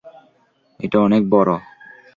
এটা অনেক বড়।